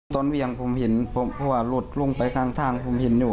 ตอนเวียงผมเห็นพอหลดลงไปทางผมเห็นอยู่